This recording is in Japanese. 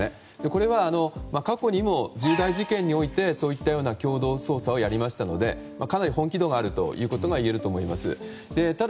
これは過去にも重大事件においてそういったような共同捜査をやりましたのでかなり本気度があるということがいえると思います。